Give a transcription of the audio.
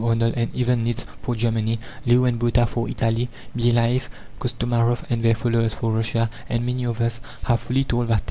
Arnold, and even Nitzsch, for Germany, Leo and Botta for Italy, Byelaeff, Kostomaroff, and their followers for Russia, and many others, have fully told that tale.